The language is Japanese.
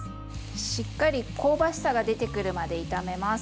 しっかり香ばしさが出てくるまで炒めます。